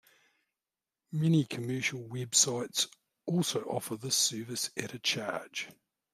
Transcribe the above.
Many commercial websites also offer this service at a charge.